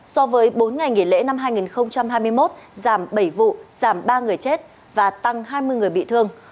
so với bốn ngày nghỉ lễ năm hai nghìn hai mươi một giảm bảy vụ giảm ba người chết và tăng hai mươi người bị thương